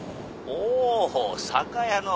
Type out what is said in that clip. おお酒屋の。